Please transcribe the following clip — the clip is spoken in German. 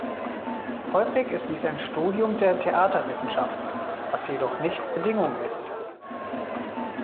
Häufig ist dies ein Studium der Theaterwissenschaft, was jedoch nicht Bedingung ist.